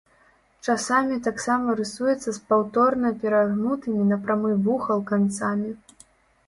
Часамі таксама рысуецца з паўторна перагнутымі на прамы вугал канцамі.